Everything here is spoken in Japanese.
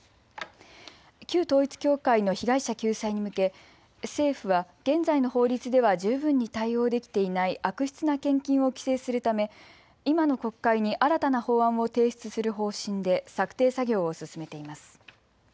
旧統一教会の被害者救済に向け政府は現在の法律では十分に対応できていない悪質な献金を規制するため今の国会に新たな法案を提出する方針で策定作業を進めています。